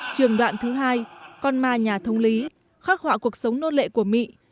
trường đoạn thứ hai con ma nhà thông lý khắc họa cuộc sống nốt lệ của mỹ